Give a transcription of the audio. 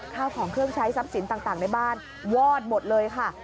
ข้าวของเครื่องใช้ทรัพย์สินต่างในบ้านวอดหมดเลยค่ะ